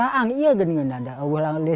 saya ingin berjalan dengan berlalu